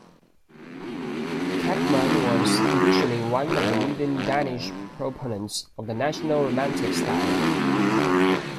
Kampmann was initially one of the leading Danish proponents of the national romantic style.